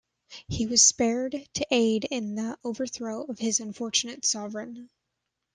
He was spared to aid in the overthrow of his unfortunate sovereign.